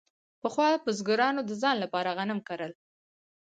پخوا بزګرانو د ځان لپاره غنم کرل.